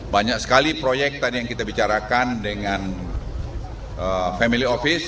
banyak sekali proyek tadi yang kita bicarakan dengan family office